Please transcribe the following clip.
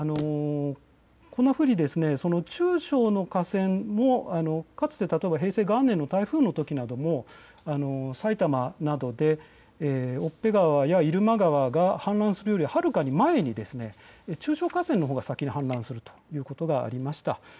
こんなふうにかつて平成元年の台風のときなども埼玉などで越辺川や入間川が氾濫する前に中小河川のほうが氾濫するということがありました。